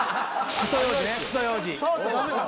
くそようじ？